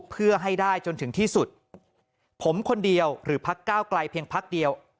เพื่อให้ได้จนถึงที่สุดผมคนเดียวหรือพักก้าวไกลเพียงพักเดียว